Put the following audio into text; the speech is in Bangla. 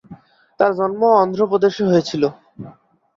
তার জন্ম অন্ধ্র প্রদেশে হয়েছিলো।